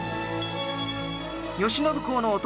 慶喜公の弟